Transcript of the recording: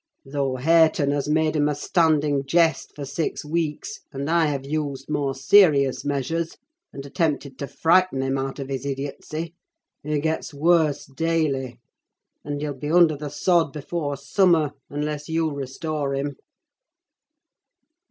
Though Hareton has made him a standing jest for six weeks, and I have used more serious measures, and attempted to frighten him out of his idiocy, he gets worse daily; and he'll be under the sod before summer, unless you restore him!"